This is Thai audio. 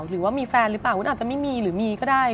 หรือว่ามีแฟนหรือเปล่าวุ้นอาจจะไม่มีหรือมีก็ได้